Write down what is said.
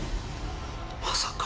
まさか。